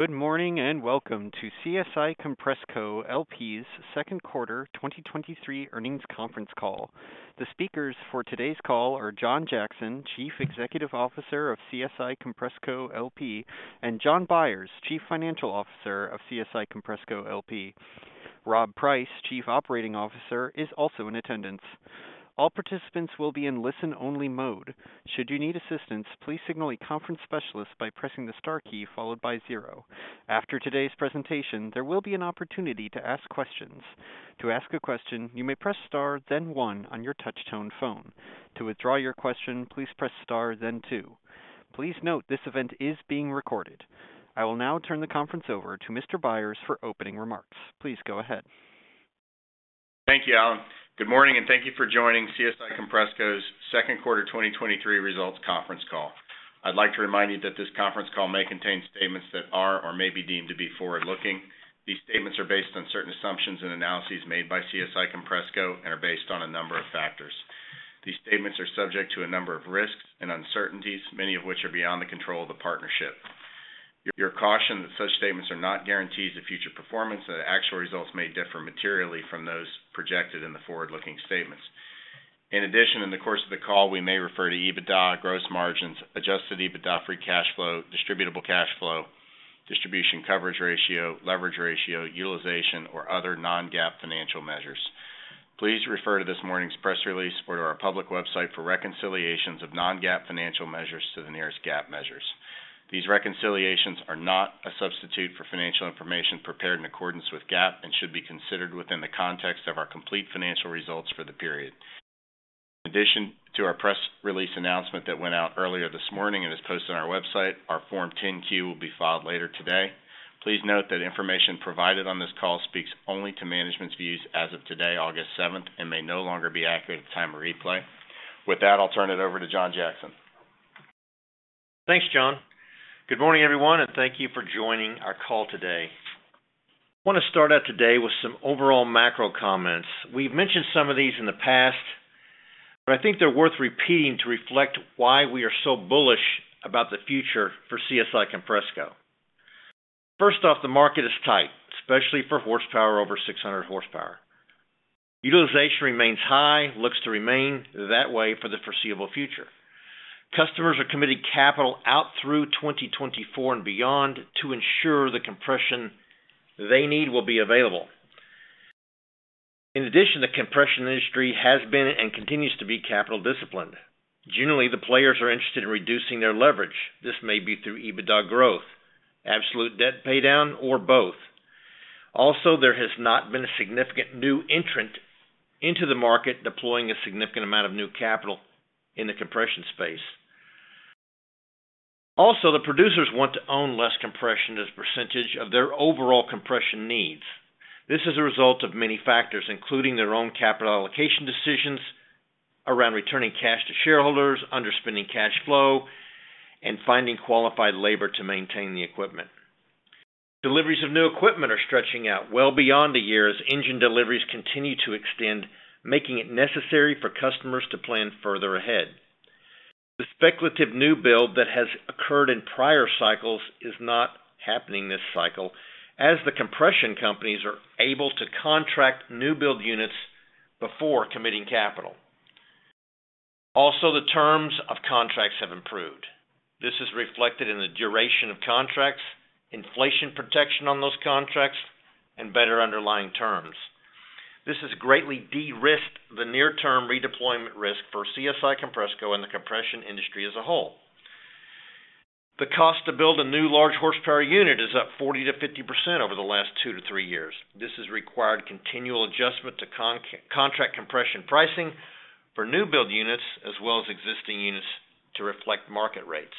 Good morning, and welcome to CSI Compressco LP's second quarter 2023 earnings conference call. The speakers for today's call are John Jackson, Chief Executive Officer of CSI Compressco LP, and Jon Byers, Chief Financial Officer of CSI Compressco LP. Rob Price, Chief Operating Officer, is also in attendance. All participants will be in listen-only mode. Should you need assistance, please signal a conference specialist by pressing the star key followed by 0. After today's presentation, there will be an opportunity to ask questions. To ask a question, you may press star, then 1 on your touch-tone phone. To withdraw your question, please press star, then 2. Please note, this event is being recorded. I will now turn the conference over to Mr. Byers for opening remarks. Please go ahead. Thank you, Alan. Good morning, thank you for joining CSI Compressco's second quarter 2023 results conference call. I'd like to remind you that this conference call may contain statements that are or may be deemed to be forward-looking. These statements are based on certain assumptions and analyses made by CSI Compressco and are based on a number of factors. These statements are subject to a number of risks and uncertainties, many of which are beyond the control of the partnership. You're cautioned that such statements are not guarantees of future performance, that actual results may differ materially from those projected in the forward-looking statements. In addition, in the course of the call, we may refer to EBITDA, gross margins, adjusted EBITDA, free cash flow, distributable cash flow, distribution coverage ratio, leverage ratio, utilization, or other non-GAAP financial measures. Please refer to this morning's press release or to our public website for reconciliations of non-GAAP financial measures to the nearest GAAP measures. These reconciliations are not a substitute for financial information prepared in accordance with GAAP and should be considered within the context of our complete financial results for the period. In addition to our press release announcement that went out earlier this morning and is posted on our website, our Form 10-Q will be filed later today. Please note that information provided on this call speaks only to management's views as of today, August seventh, and may no longer be accurate at the time of replay. With that, I'll turn it over to John Jackson. Thanks, John. Good morning, everyone, thank you for joining our call today. I want to start out today with some overall macro comments. We've mentioned some of these in the past. I think they're worth repeating to reflect why we are so bullish about the future for CSI Compressco. First off, the market is tight, especially for horsepower over 600 horsepower. Utilization remains high, looks to remain that way for the foreseeable future. Customers are committing capital out through 2024 and beyond to ensure the compression they need will be available. In addition, the compression industry has been and continues to be capital disciplined. Generally, the players are interested in reducing their leverage. This may be through EBITDA growth, absolute debt paydown, or both. There has not been a significant new entrant into the market, deploying a significant amount of new capital in the compression space. The producers want to own less compression as a percentage of their overall compression needs. This is a result of many factors, including their own capital allocation decisions around returning cash to shareholders, underspending cash flow, and finding qualified labor to maintain the equipment. Deliveries of new equipment are stretching out well beyond the year as engine deliveries continue to extend, making it necessary for customers to plan further ahead. The speculative new build that has occurred in prior cycles is not happening this cycle, as the compression companies are able to contract new build units before committing capital. The terms of contracts have improved. This is reflected in the duration of contracts, inflation protection on those contracts, and better underlying terms. This has greatly de-risked the near-term redeployment risk for CSI Compressco and the compression industry as a whole. The cost to build a new large horsepower unit is up 40%-50% over the last 2-3 years. This has required continual adjustment to contract compression pricing for new build units, as well as existing units to reflect market rates.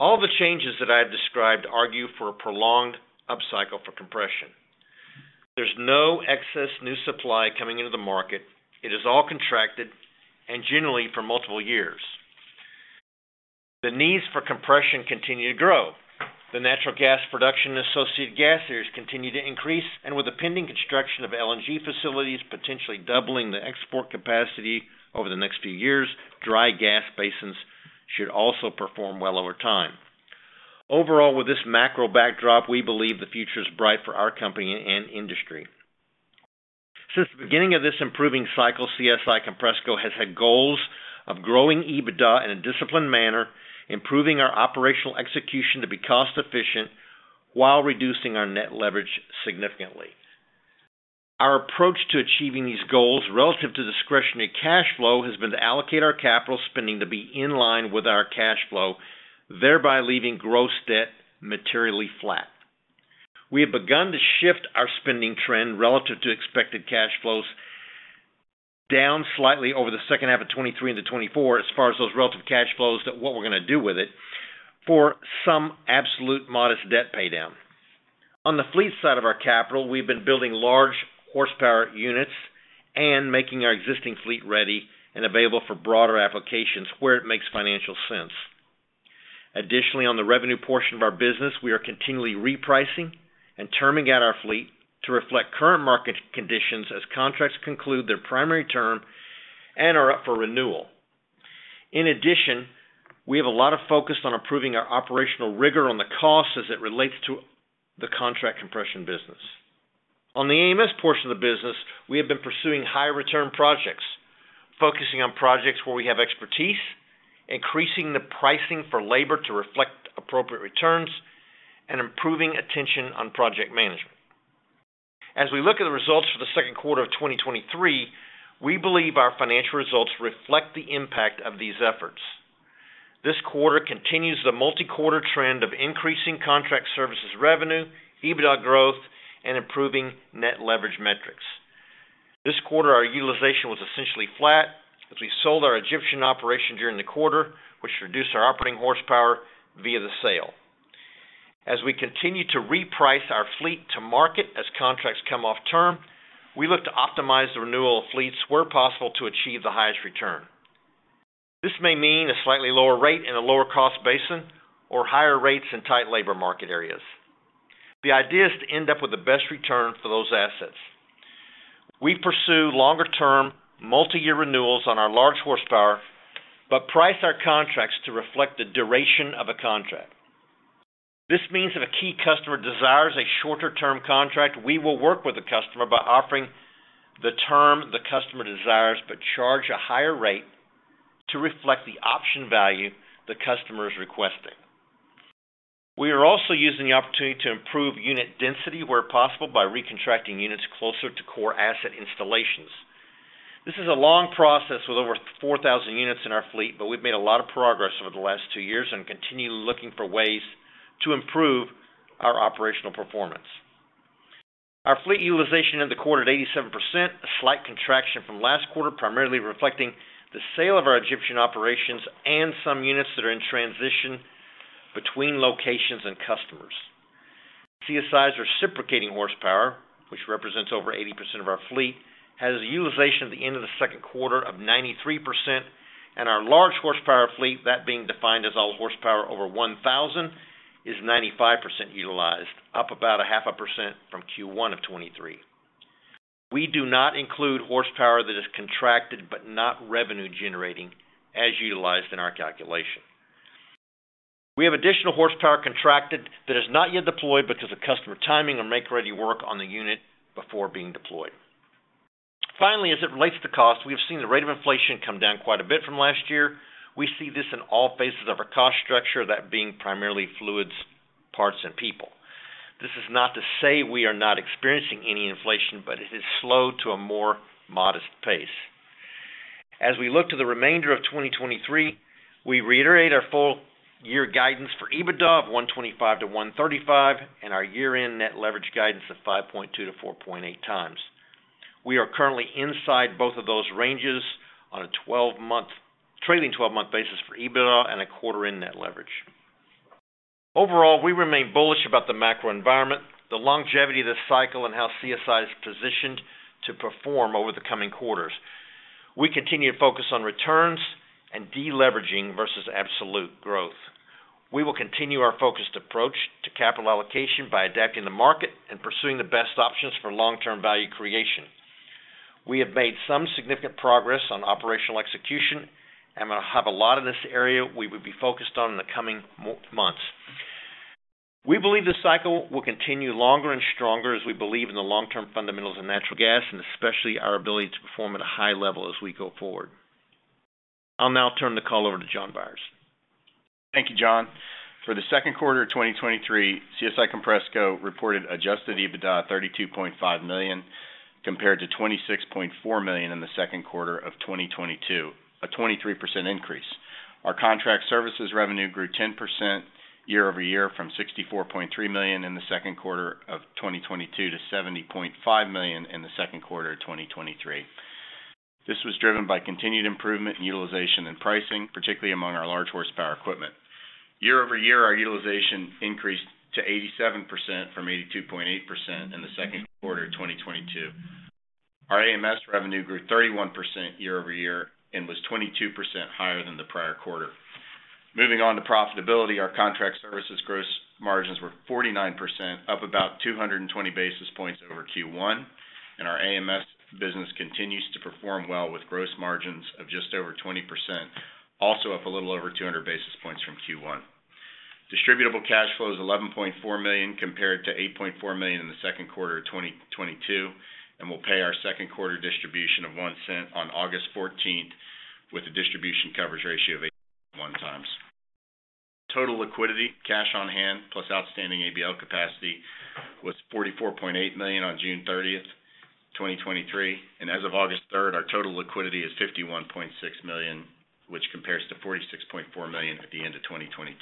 All the changes that I have described argue for a prolonged upcycle for compression. There's no excess new supply coming into the market. It is all contracted and generally for multiple years. The needs for compression continue to grow. The natural gas production and associated gas areas continue to increase, and with the pending construction of LNG facilities, potentially doubling the export capacity over the next few years, dry gas basins should also perform well over time. Overall, with this macro backdrop, we believe the future is bright for our company and industry. Since the beginning of this improving cycle, CSI Compressco has had goals of growing EBITDA in a disciplined manner, improving our operational execution to be cost-efficient while reducing our net leverage significantly. Our approach to achieving these goals relative to discretionary cash flow, has been to allocate our capital spending to be in line with our cash flow, thereby leaving gross debt materially flat. We have begun to shift our spending trend relative to expected cash flows down slightly over the second half of 2023 into 2024, as far as those relative cash flows, that what we're going to do with it, for some absolute modest debt paydown. On the fleet side of our capital, we've been building large horsepower units and making our existing fleet ready and available for broader applications where it makes financial sense. Additionally, on the revenue portion of our business, we are continually repricing and terming out our fleet to reflect current market conditions as contracts conclude their primary term and are up for renewal. In addition, we have a lot of focus on improving our operational rigor on the cost as it relates to the contract compression business. On the AMS portion of the business, we have been pursuing high return projects, focusing on projects where we have expertise, increasing the pricing for labor to reflect appropriate returns, and improving attention on project management. As we look at the results for the second quarter of 2023, we believe our financial results reflect the impact of these efforts. This quarter continues the multi-quarter trend of increasing contract services revenue, EBITDA growth, and improving net leverage metrics. This quarter, our utilization was essentially flat as we sold our Egyptian operation during the quarter, which reduced our operating horsepower via the sale. As we continue to reprice our fleet to market as contracts come off term, we look to optimize the renewal of fleets where possible to achieve the highest return. This may mean a slightly lower rate in a lower cost basin or higher rates in tight labor market areas. The idea is to end up with the best return for those assets. We pursue longer-term, multi-year renewals on our large horsepower, but price our contracts to reflect the duration of a contract. This means if a key customer desires a shorter-term contract, we will work with the customer by offering the term the customer desires, but charge a higher rate to reflect the option value the customer is requesting. We are also using the opportunity to improve unit density where possible, by recontracting units closer to core asset installations. This is a long process with over 4,000 units in our fleet. We've made a lot of progress over the last 2 years and continue looking for ways to improve our operational performance. Our fleet utilization in the quarter at 87%, a slight contraction from last quarter, primarily reflecting the sale of our Egyptian operations and some units that are in transition between locations and customers. CSI's reciprocating horsepower, which represents over 80% of our fleet, has a utilization at the end of the second quarter of 93%, and our large horsepower fleet, that being defined as all horsepower over 1,000, is 95% utilized, up about 0.5% from Q1 of 2023. We do not include horsepower that is contracted but not revenue generating, as utilized in our calculation. We have additional horsepower contracted that is not yet deployed because of customer timing or make-ready work on the unit before being deployed. Finally, as it relates to cost, we have seen the rate of inflation come down quite a bit from last year. We see this in all phases of our cost structure, that being primarily fluids, parts, and people. This is not to say we are not experiencing any inflation, but it has slowed to a more modest pace. As we look to the remainder of 2023, we reiterate our full year guidance for EBITDA of $125 million-$135 million, and our year-end net leverage guidance of 5.2x-4.8x. We are currently inside both of those ranges on a 12-month trailing 12-month basis for EBITDA and a quarter-end net leverage. Overall, we remain bullish about the macro environment, the longevity of this cycle, and how CSI is positioned to perform over the coming quarters. We continue to focus on returns and deleveraging versus absolute growth. We will continue our focused approach to capital allocation by adapting the market and pursuing the best options for long-term value creation. We have made some significant progress on operational execution, and we have a lot in this area we will be focused on in the coming months. We believe this cycle will continue longer and stronger as we believe in the long-term fundamentals of natural gas, and especially our ability to perform at a high level as we go forward. I'll now turn the call over to Jon Byers. Thank you, John. For the second quarter of 2023, CSI Compressco reported adjusted EBITDA $32.5 million, compared to 26.4 million in the second quarter of 2022, a 23% increase. Our contract services revenue grew 10% year-over-year, from 64.3 million in the second quarter of 2022 to 70.5 million in the second quarter of 2023. This was driven by continued improvement in utilization and pricing, particularly among our large horsepower equipment. Year-over-year, our utilization increased to 87% from 82.8% in the second quarter of 2022. Our AMS revenue grew 31% year-over-year and was 22% higher than the prior quarter. Moving on to profitability, our contract services gross margins were 49%, up about 220 basis points over Q1, and our AMS business continues to perform well, with gross margins of just over 20%, also up a little over 200 basis points from Q1. distributable cash flow is 11.4 million, compared to 8.4 million in the second quarter of 2022, and we'll pay our second quarter distribution of 0.01 on August 14th, with a distribution coverage ratio of 8.1 times. Total liquidity, cash on hand, plus outstanding ABL capacity, was 44.8 million on June 30th, 2023, and as of August 3rd, our total liquidity is $51.6 million, which compares to 46.4 million at the end of 2022.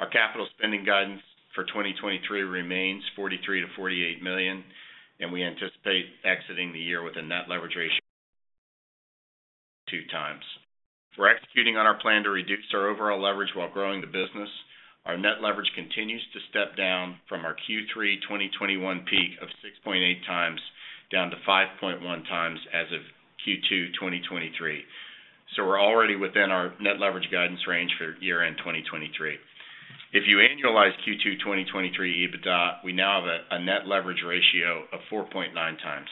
Our capital spending guidance for 2023 remains43 million-$48 million, and we anticipate exiting the year with a net leverage ratio of 4.2 times. We're executing on our plan to reduce our overall leverage while growing the business. Our net leverage continues to step down from our Q3 2021 peak of 6.8 times, down to 5.1 times as of Q2 2023. We're already within our net leverage guidance range for year-end 2023. If you annualize Q2 2023 EBITDA, we now have a net leverage ratio of 4.9 times.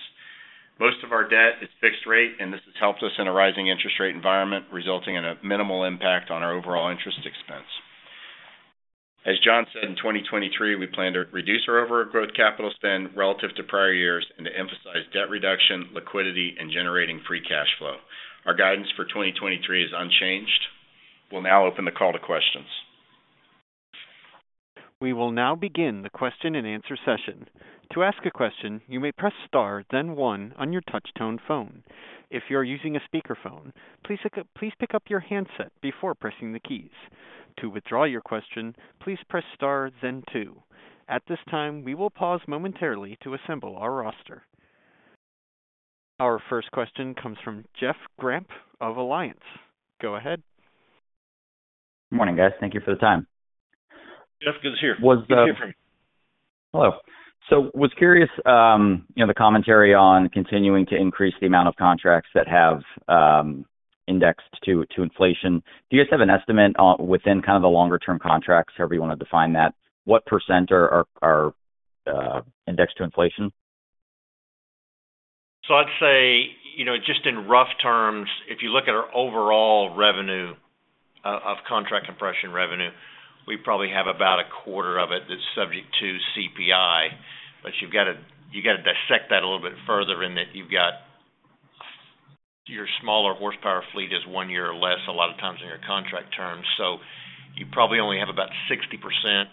Most of our debt is fixed rate, and this has helped us in a rising interest rate environment, resulting in a minimal impact on our overall interest expense. As John said, in 2023, we plan to reduce our overall growth capital spend relative to prior years and to emphasize debt reduction, liquidity, and generating free cash flow. Our guidance for 2023 is unchanged. We'll now open the call to questions. We will now begin the question-and-answer session. To ask a question, you may press Star, then One on your touch-tone phone. If you are using a speakerphone, please pick up, please pick up your handset before pressing the keys. To withdraw your question, please press Star, then Two. At this time, we will pause momentarily to assemble our roster. Our first question comes from Jeff Grampp of Alliance. Go ahead. Good morning, guys. Thank you for the time. Jeff, good to hear. Was the- Good to hear from you. Hello. Was curious, you know, the commentary on continuing to increase the amount of contracts that have, indexed to, to inflation. Do you guys have an estimate on within kind of the longer-term contracts, however you want to define that, what % are, are, are, indexed to inflation? I'd say, you know, just in rough terms, if you look at our overall revenue of contract compression revenue, we probably have about 25% of it that's subject to CPI. You've got to dissect that a little bit further in that you've got your smaller horsepower fleet is one year or less, a lot of times in your contract terms. You probably only have about 60%,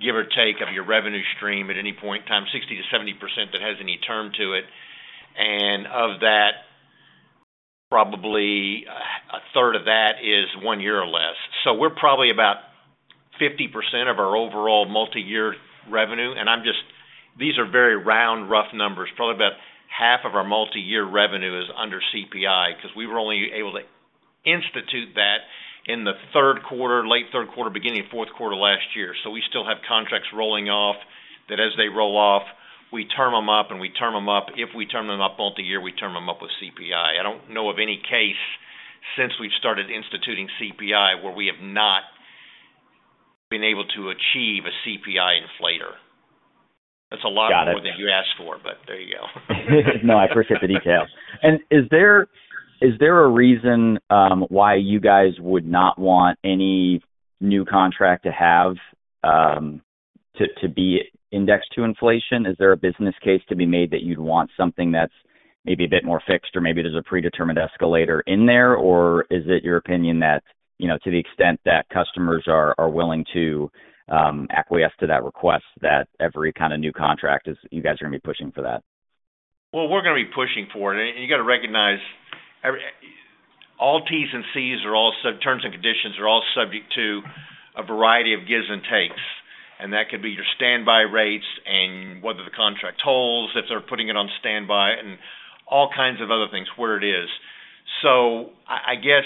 give or take, of your revenue stream at any point in time, 60%-70% that has any term to it. Of that, probably 33% of that is one year or less. We're probably about 50% of our overall multiyear revenue, and I'm just, these are very round, rough numbers. Probably about half of our multiyear revenue is under CPI because we were only able to institute that in the third quarter, late third quarter, beginning of fourth quarter last year. We still have contracts rolling off, that as they roll off, we term them up, and we term them up. If we term them up multiyear, we term them up with CPI. I don't know of any case since we've started instituting CPI, where we have not been able to achieve a CPI inflator. Got it. That's a lot more than you asked for, but there you go. No, I appreciate the details. Is there, is there a reason why you guys would not want any new contract to have to be indexed to inflation? Is there a business case to be made that you'd want something that's maybe a bit more fixed, or maybe there's a predetermined escalator in there? Or is it your opinion that, you know, to the extent that customers are, are willing to acquiesce to that request, that every kind of new contract is, you guys are going to be pushing for that? Well, we're going to be pushing for it. You got to recognize all T's and C's so terms and conditions are all subject to a variety of gives and takes, and that could be your standby rates and whether the contract tolls, if they're putting it on standby, and all kinds of other things where it is. I guess,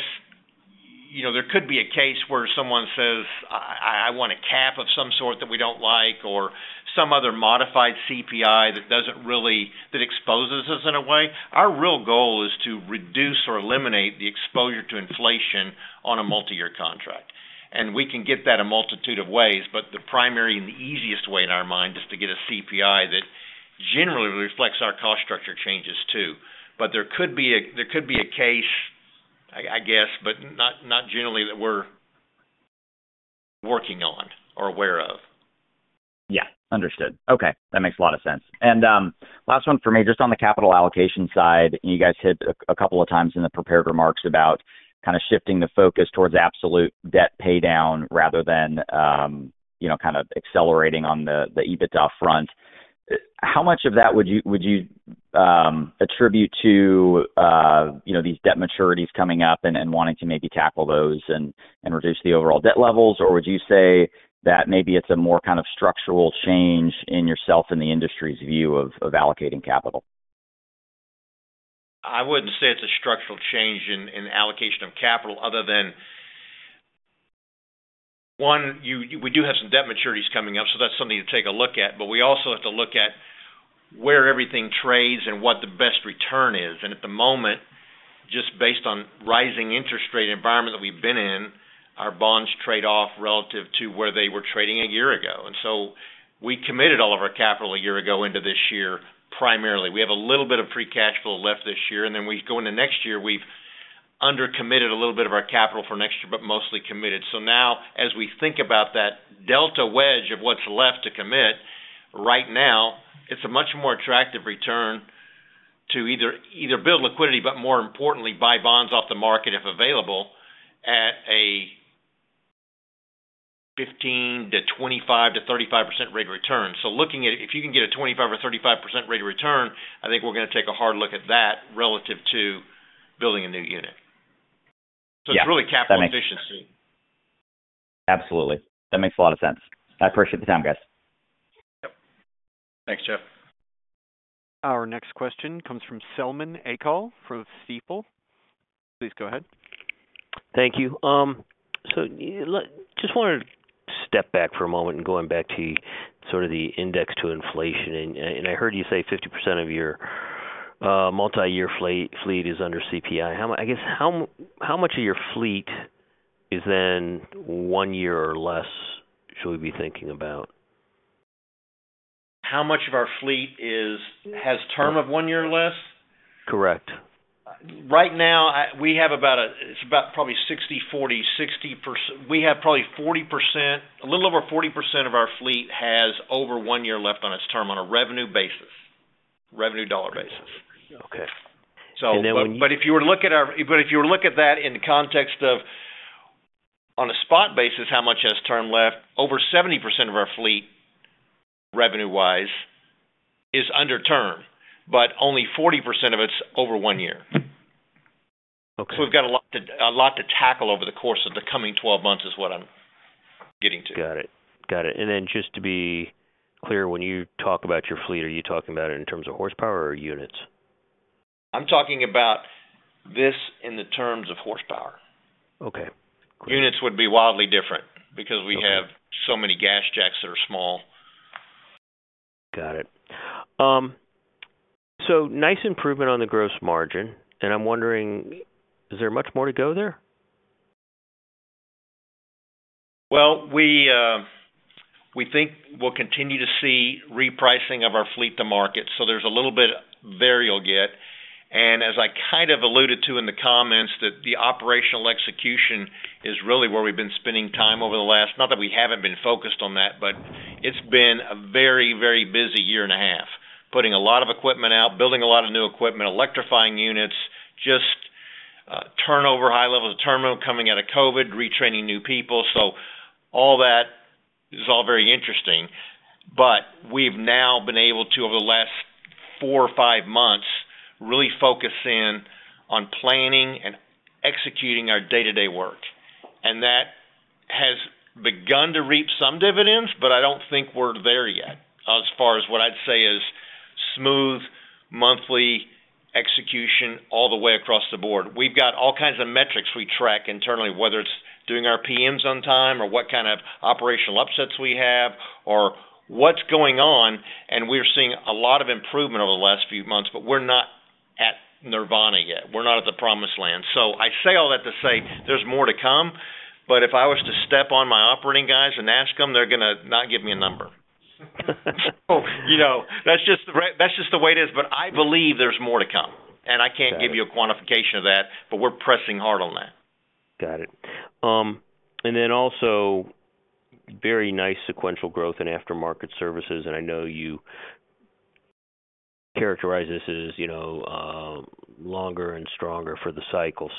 you know, there could be a case where someone says, I want a cap of some sort that we don't like, or some other modified CPI that doesn't that exposes us in a way. Our real goal is to reduce or eliminate the exposure to inflation on a multiyear contract, and we can get that a multitude of ways. The primary and the easiest way in our mind, is to get a CPI that generally reflects our cost structure changes, too. There could be a, there could be a case, I, I guess, but not, not generally that we're working on or aware of. Yeah, understood. Okay, that makes a lot of sense. Last one for me, just on the capital allocation side, and you guys hit a, a couple of times in the prepared remarks about kind of shifting the focus towards absolute debt paydown rather than, you know, kind of accelerating on the, the EBITDA front. How much of that would you, would you, attribute to, you know, these debt maturities coming up and, and wanting to maybe tackle those and, and reduce the overall debt levels? Or would you say that maybe it's a more kind of structural change in yourself and the industry's view of, of allocating capital? I wouldn't say it's a structural change in, in allocation of capital other than, one, we do have some debt maturities coming up, so that's something to take a look at. We also have to look at where everything trades and what the best return is. At the moment, just based on rising interest rate environment that we've been in, our bonds trade-off relative to where they were trading a year ago. We committed all of our capital a year ago into this year, primarily. We have a little bit of free cash flow left this year, and then we go into next year. We've undercommitted a little bit of our capital for next year, but mostly committed. Now as we think about that delta wedge of what's left to commit, right now, it's a much more attractive return to either, either build liquidity, but more importantly, buy bonds off the market, if available, at a 15% to 25% to 35% rate of return. Looking at it, if you can get a 25% or 35% rate of return, I think we're going to take a hard look at that relative to building a new unit. Yeah. It's really capital efficiency. Absolutely. That makes a lot of sense. I appreciate the time, guys. Yep. Thanks, Jeff. Our next question comes from Selman Akyol, from Stifel. Please go ahead. Thank you. just wanted to step back for a moment and going back to sort of the index to inflation, and, and I heard you say 50% of your multiyear fleet, fleet is under CPI. I guess, how, how much of your fleet is then 1 year or less, should we be thinking about? How much of our fleet is, has term of 1 year or less? Correct. Right now, we have about, it's about probably 60%, 40%, 60%. We have probably a little over 40% of our fleet has over one year left on its term on a revenue basis, revenue dollar basis. Okay. Then when you- If you were to look at that in the context of, on a spot basis, how much has term left? Over 70% of our fleet, revenue-wise, is under term, but only 40% of it's over one year. Okay. We've got a lot to, a lot to tackle over the course of the coming 12 months, is what I'm getting to. Got it. Got it. Then just to be clear, when you talk about your fleet, are you talking about it in terms of horsepower or units? I'm talking about this in the terms of horsepower. Okay, great. Units would be wildly different. Okay. Because we have so many GasJacks that are small. Got it. nice improvement on the gross margin, and I'm wondering, is there much more to go there? Well, we think we'll continue to see repricing of our fleet to market, so there's a little bit there you'll get. As I kind of alluded to in the comments, that the operational execution is really where we've been spending time over the last... Not that we haven't been focused on that, but it's been a very, very busy year and a half, putting a lot of equipment out, building a lot of new equipment, electrifying units, just, turnover, high levels of turnover, coming out of COVID, retraining new people. All that is all very interesting, but we've now been able to, over the last four or five months, really focus in on planning and executing our day-to-day work. That has begun to reap some dividends, but I don't think we're there yet, as far as what I'd say is smooth monthly execution all the way across the board. We've got all kinds of metrics we track internally, whether it's doing our PMs on time, or what kind of operational upsets we have, or what's going on, and we're seeing a lot of improvement over the last few months, but we're not at nirvana yet. We're not at the promised land. I say all that to say there's more to come, but if I was to step on my operating guys and ask them, they're gonna not give me a number. You know, that's just the way, that's just the way it is, but I believe there's more to come, and I can't give you a quantification of that, but we're pressing hard on that. Got it. Then also, very nice sequential growth in aftermarket services, and I know you characterize this as, you know, longer and stronger for the cycle.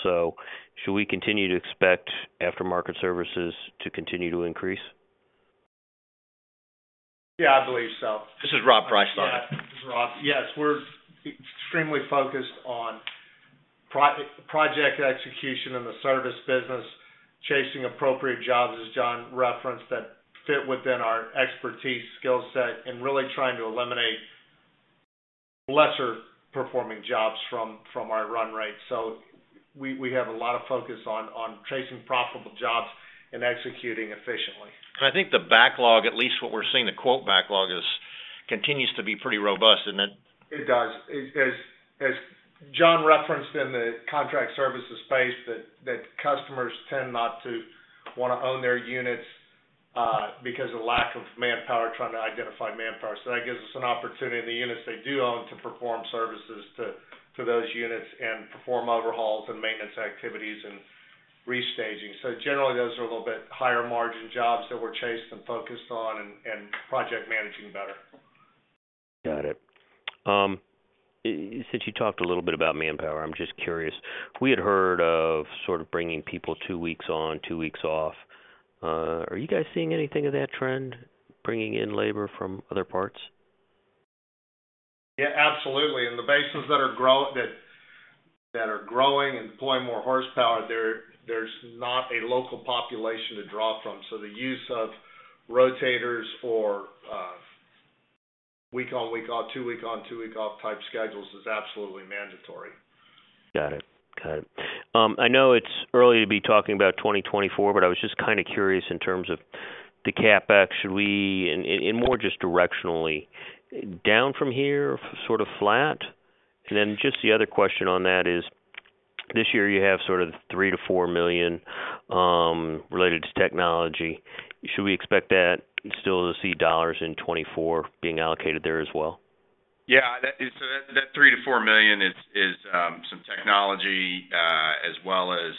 Should we continue to expect aftermarket services to continue to increase? Yeah, I believe so. This is .Rob Price Yeah, this is Rob. Yes, we're extremely focused on project execution in the service business, chasing appropriate jobs, as John referenced, that fit within our expertise, skill set, and really trying to eliminate lesser performing jobs from, from our run rate. We, we have a lot of focus on, on chasing profitable jobs and executing efficiently. I think the backlog, at least what we're seeing, the quote backlog is, continues to be pretty robust, isn't it? It does. As, as, as John referenced in the contract services space, that, that customers tend not to want to own their units, because of lack of manpower, trying to identify manpower. That gives us an opportunity, the units they do own, to perform services to, to those units and perform overhauls and maintenance activities and restaging. Generally, those are a little bit higher margin jobs that we're chasing and focused on and, and project managing better. Got it. Since you talked a little bit about manpower, I'm just curious, we had heard of sort of bringing people two weeks on, two weeks off. Are you guys seeing anything of that trend, bringing in labor from other parts? Yeah, absolutely. In the bases that are growing and deploy more horsepower, there's not a local population to draw from. The use of rotators for, week on, week off, 2 week on, 2 week off type schedules is absolutely mandatory. Got it. Got it. I know it's early to be talking about 2024, but I was just kind of curious in terms of the CapEx, should we, and more just directionally, down from here, sort of flat? Just the other question on that is, this year you have sort of $3 million-$4 million related to technology. Should we expect that still to see dollars in 2024 being allocated there as well? Yeah, that is, so that 3 million-4 million is, is, some technology, as well as,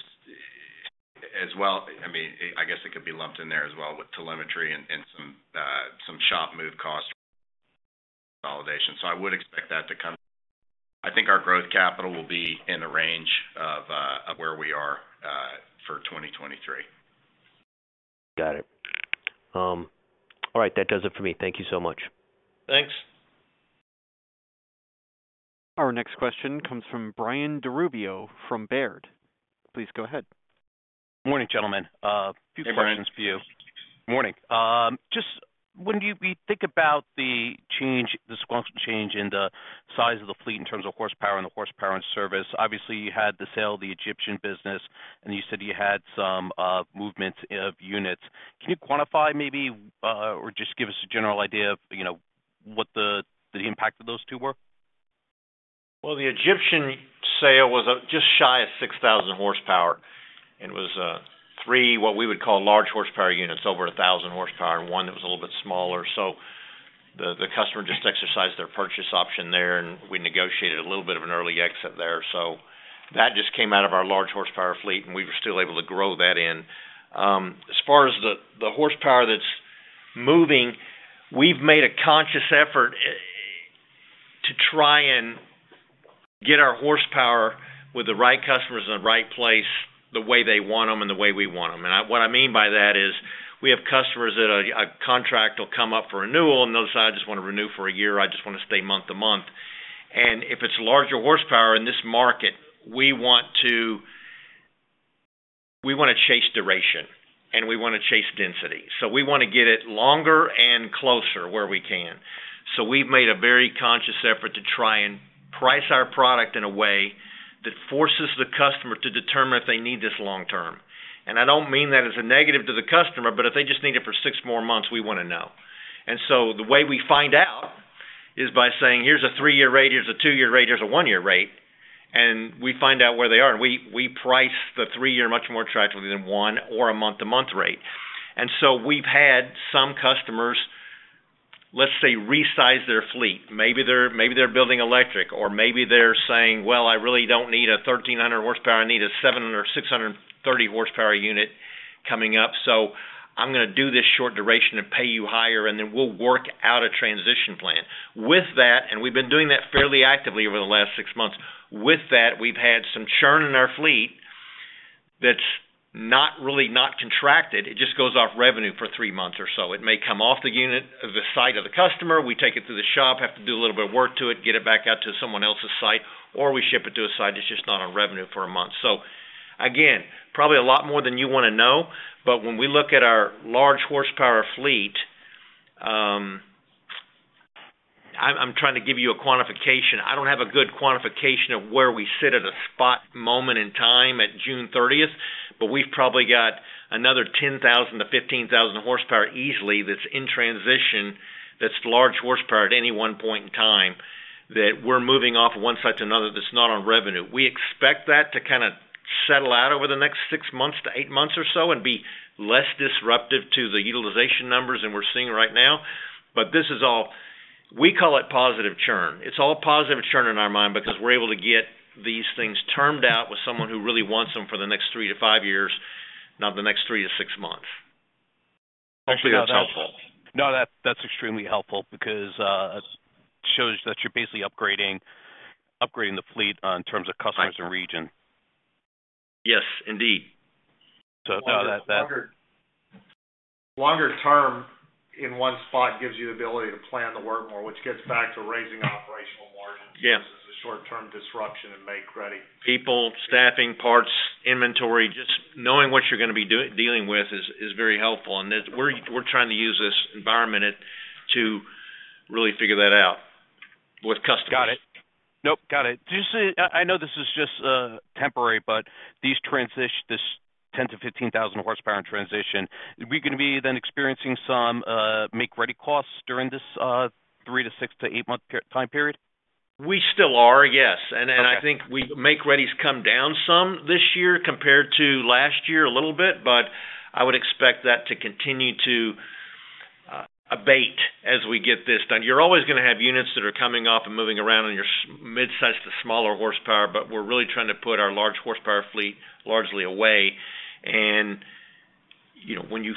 as well... I mean, I guess it could be lumped in there as well with telemetry and some shop move cost consolidation. I would expect that to come. I think our growth capital will be in the range of where we are for 2023. Got it. All right, that does it for me. Thank you so much. Thanks. Our next question comes from Brian DiRubbio from Baird. Please go ahead. Morning, gentlemen. Hey, Brian. few questions for you. Morning. Just when we think about the change, the sequential change in the size of the fleet in terms of horsepower and the horsepower and service, obviously, you had the sale of the Egyptian business, and you said you had some movements of units. Can you quantify maybe, or just give us a general idea of, you know, what the impact of those two were? The Egyptian sale was just shy of 6,000 horsepower, and it was three, what we would call large horsepower units, over 1,000 horsepower, and one that was a little bit smaller. The, the customer just exercised their purchase option there, and we negotiated a little bit of an early exit there. That just came out of our large horsepower fleet, and we were still able to grow that in. As far as the, the horsepower that's moving, we've made a conscious effort to try and get our horsepower with the right customers in the right place, the way they want them and the way we want them. What I mean by that is, we have customers that a contract will come up for renewal, and they'll decide, I just want to renew for a year, I just want to stay month to month. If it's larger horsepower in this market, we want to, we want to chase duration, and we want to chase density. We want to get it longer and closer where we can. We've made a very conscious effort to try and price our product in a way that forces the customer to determine if they need this long term. I don't mean that as a negative to the customer, but if they just need it for six more months, we want to know. The way we find out is by saying, "Here's a three-year rate, here's a two-year rate, here's a one-year rate," and we find out where they are. We, we price the three-year much more attractively than one or a month-to-month rate. We've had some customers, let's say, resize their fleet. Maybe they're, maybe they're building electric, or maybe they're saying, "Well, I really don't need a 1,300 horsepower. I need a 7 or 630 horsepower unit coming up, so I'm going to do this short duration and pay you higher, and then we'll work out a transition plan." With that, and we've been doing that fairly actively over the last six months. With that, we've had some churn in our fleet that's not really not contracted. It just goes off revenue for three months or so. It may come off the unit of the site of the customer, we take it to the shop, have to do a little bit of work to it, get it back out to someone else's site, or we ship it to a site that's just not on revenue for a month. Again, probably a lot more than you want to know, but when we look at our large horsepower fleet, I'm trying to give you a quantification. I don't have a good quantification of where we sit at a spot moment in time at June thirtieth, but we've probably got another 10,000 to 15,000 horsepower easily that's in transition, that's large horsepower at any one point in time, that we're moving off one site to another, that's not on revenue. We expect that to kind of settle out over the next six months to eight months or so and be less disruptive to the utilization numbers than we're seeing right now. This is all, we call it positive churn. It's all positive churn in our mind because we're able to get these things termed out with someone who really wants them for the next three to five years, not the next three to six months. Actually, that's helpful. No, that, that's extremely helpful because it shows that you're basically upgrading, upgrading the fleet in terms of customers and region. Yes, indeed. So that, that- Longer term in one spot gives you the ability to plan the work more, which gets back to raising operational margins. Yeah. This is a short-term disruption in make-ready. People, staffing, parts, inventory, just knowing what you're going to be doing, dealing with is, is very helpful, and that we're, we're trying to use this environment to, to really figure that out with customers. Got it. Nope, got it. I know this is just temporary, but these transition, this 10,000-15,000 horsepower in transition, are we going to be then experiencing some make-ready costs during this three to six to eight-month time period? We still are, yes. Okay. Then I think we-- make-ready's come down some this year compared to last year, a little bit, but I would expect that to continue to abate as we get this done. You're always going to have units that are coming off and moving around on your midsize to smaller horsepower, but we're really trying to put our large horsepower fleet largely away. You know, when you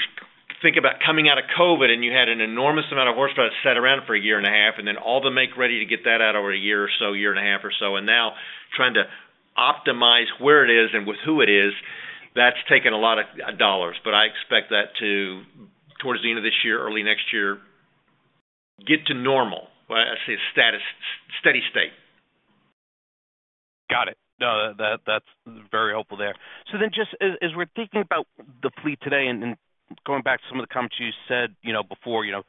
think about coming out of COVID, and you had an enormous amount of horsepower that sat around for a year and a half, and then all the make-ready to get that out over a year or so, a year and a half or so, and now trying to optimize where it is and with who it is, that's taken a lot of dollars. I expect that to, towards the end of this year, early next year, get to normal. Well, I say status, steady state. Got it. No, that, that's very helpful there. Just as, as we're thinking about the fleet today and, and going back to some of the comments you said, you know, before, you know,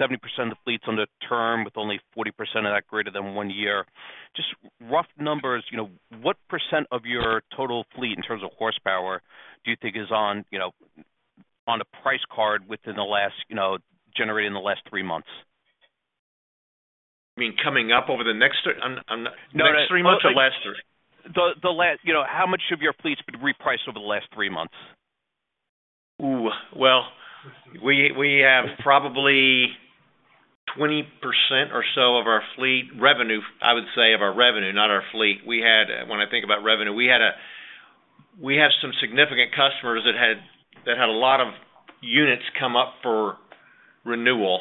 70% of the fleet is under term, with only 40% of that greater than one year. Just rough numbers, you know, what percent of your total fleet, in terms of horsepower, do you think is on, you know, on a price card within the last, you know, generated in the last three months? You mean coming up over the next three... I'm not... No, 3 months or last 3? You know, how much of your fleet has been repriced over the last 3 months? Ooh, well, we, we have probably 20% or so of our fleet revenue, I would say, of our revenue, not our fleet. When I think about revenue, we have some significant customers that had, that had a lot of units come up for renewal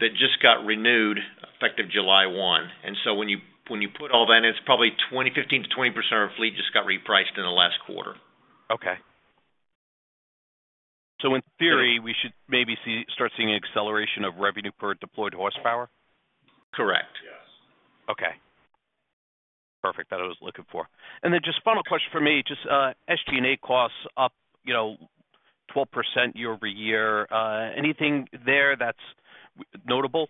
that just got renewed effective July 1. So when you, when you put all that in, it's probably 20%, 15%-20% of our fleet just got repriced in the last quarter. In theory, we should maybe start seeing an acceleration of revenue per deployed horsepower? Correct. Yes. Okay. Perfect. That what I was looking for. Just final question for me, just, SG&A costs up, you know, 12% year-over-year. Anything there that's notable?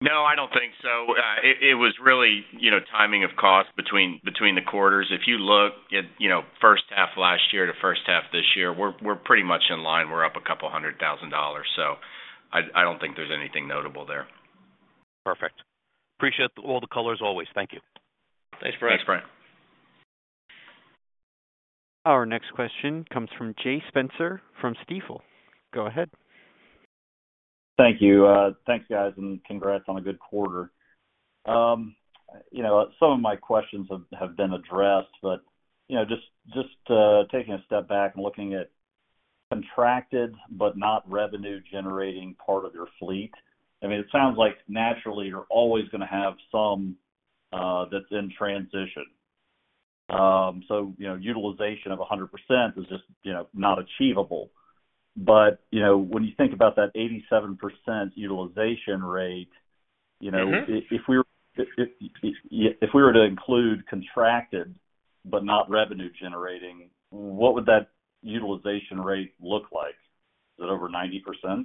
No, I don't think so. it, it was really, you know, timing of costs between, between the quarters. If you look at, you know, first half last year to first half this year, we're, we're pretty much in line. We're up $200,000. I, I don't think there's anything notable there. Perfect. Appreciate all the colors always. Thank you. Thanks, Frank. Our next question comes from Jay Spencer from Stifel. Go ahead. Thank you. Thanks, guys, and congrats on a good quarter. You know, some of my questions have, have been addressed, but, you know, just, just taking a step back and looking at contracted but not revenue-generating part of your fleet. I mean, it sounds like naturally, you're always gonna have some that's in transition. You know, utilization of 100% is just, you know, not achievable. You know, when you think about that 87% utilization rate, you know. Mm-hmm. If we were to include contracted but not revenue generating, what would that utilization rate look like? Is it over 90%?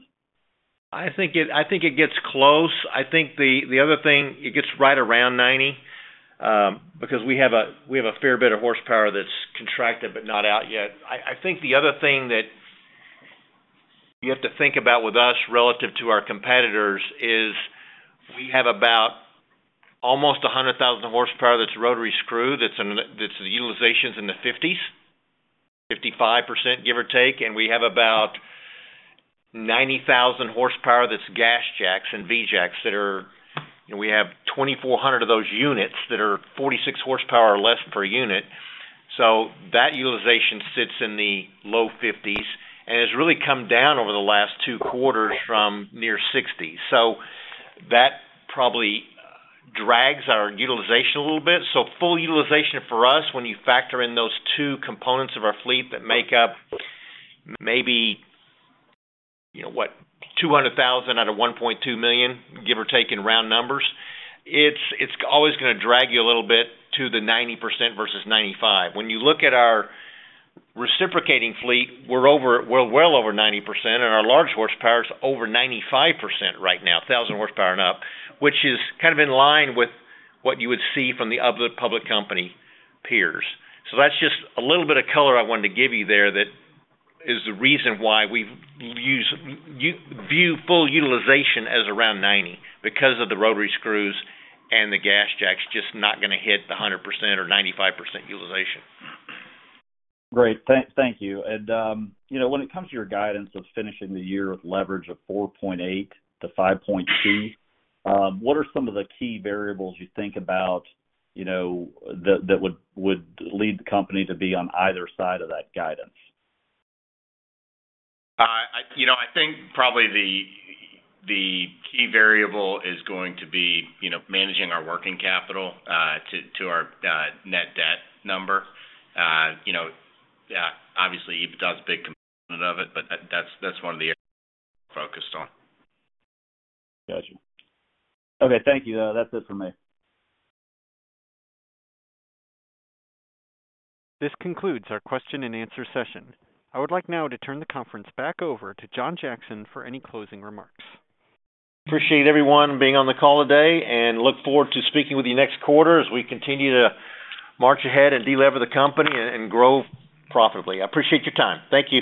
I think it, I think it gets close. I think the, the other thing, it gets right around 90, because we have a, we have a fair bit of horsepower that's contracted but not out yet. I, I think the other thing that you have to think about with us, relative to our competitors, is we have about almost 100,000 horsepower that's rotary screw, the utilization's in the 50s, 55%, give or take, and we have about 90,000 horsepower that's GasJacks and V-Jacks. We have 2,400 of those units that are 46 horsepower or less per unit. That utilization sits in the low 50s and has really come down over the last two quarters from near 60. That probably drags our utilization a little bit. Full utilization for us, when you factor in those two components of our fleet that make up maybe, you know, what? 200,000 out of 1.2 million, give or take in round numbers, it's, it's always gonna drag you a little bit to the 90% versus 95. When you look at our reciprocating fleet, we're well over 90%, and our large horsepower is over 95% right now, 1,000 horsepower and up, which is kind of in line with what you would see from the other public company peers. That's just a little bit of color I wanted to give you there. That is the reason why we view full utilization as around 90, because of the rotary screws and the GasJacks, just not going to hit 100% or 95% utilization. Great. Thank, thank you. you know, when it comes to your guidance of finishing the year with leverage of 4.8-5.2, what are some of the key variables you think about, you know, that, that would, would lead the company to be on either side of that guidance? I, you know, I think probably the, the key variable is going to be, you know, managing our working capital, to, to our, net debt number. You know, yeah, obviously, EBITDA is a big component of it, but that's, that's one of the areas focused on. Gotcha. Okay, thank you. That's it for me. This concludes our question and answer session. I would like now to turn the conference back over to John Jackson for any closing remarks. Appreciate everyone being on the call today, look forward to speaking with you next quarter as we continue to march ahead and delever the company and, and grow profitably. I appreciate your time. Thank you.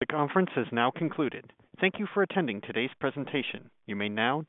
The conference is now concluded. Thank you for attending today's presentation. You may now disconnect.